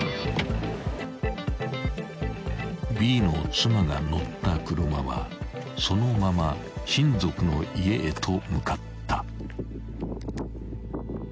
［Ｂの妻が乗った車はそのまま親族の家へと向かった］